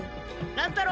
乱太郎！